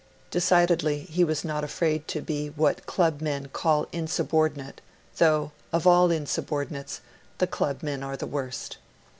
Decidedly, he was not afraid to be 'what club men call insubordinate, though, of all insubordinates, the club men are the worst'.